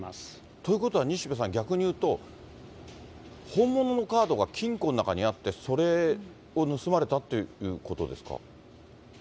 ということは西部さん、逆に言うと、本物のカードが金庫の中にあって、それを盗まれたっていうことですか。